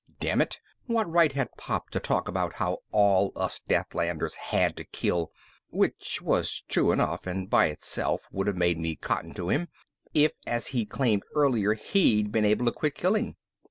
Dammit, what right had Pop to talk about how all us Deathlanders had to kill (which was true enough and by itself would have made me cotton to him) if as he'd claimed earlier he'd been able to quit killing?